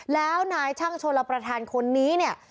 แล้วนายช่างโชลประธานคนนี้เนี่ย